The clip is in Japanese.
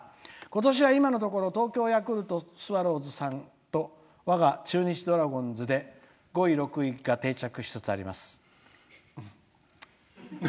「今年は今のところ東京ヤクルトスワローズさんと我が中日ドラゴンズで５位６位が定着しつつあります」。